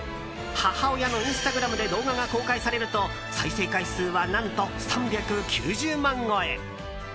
母親のインスタグラムで動画が公開されると再生回数は何と３９０万超え。